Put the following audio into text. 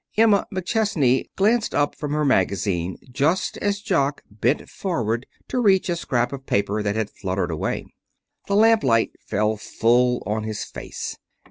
Emma McChesney glanced up from her magazine just as Jock bent forward to reach a scrap of paper that had fluttered away. The lamplight fell full on his face.